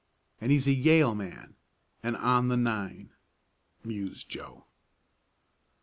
"And he's a Yale man and on the nine," mused Joe.